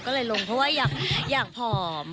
ก็เลยลงเพราะว่าอยากผอม